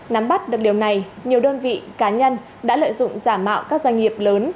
nắm bắt được điều này nhiều đơn vị cá nhân đã lợi dụng giả mạo các doanh nghiệp lớn